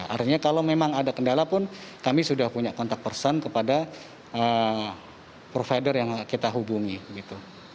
artinya kalau memang ada kendala pun kami sudah punya kontak person kepada provider yang kita hubungi gitu